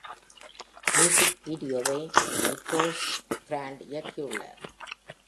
Music வீடியோவை Nicholas Brand இயக்கியுள்ளார்.